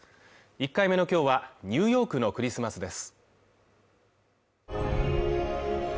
１回目の今日はニューヨークのクリスマスです